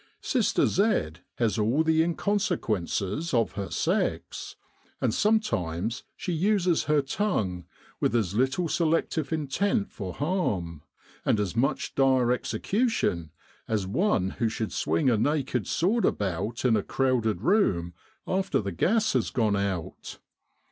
Sister Z has all the inconsequences of her sex, and some times she uses her tongue with as little selective intent for harm, and as much dire execution, as one who should swing a naked sword about in a crowded room after the gas has gone out.